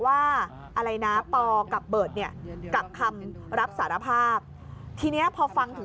ว่าอะไรนะปอกับเบิร์ตเนี่ยกับคำรับสารภาพทีนี้พอฟังถึง